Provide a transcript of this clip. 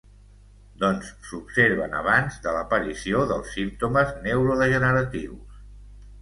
Doncs s'observen abans de l'aparició dels símptomes neurodegeneratius.